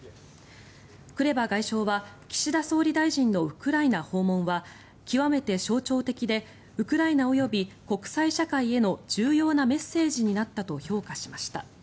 クレバ外相は岸田総理大臣のウクライナ訪問は極めて象徴的でウクライナ及び国際社会への重要なメッセージになったと評価しました。